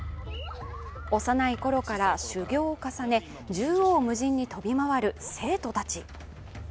幼いころから修行を重ね、縦横無尽に飛び回る生徒たち。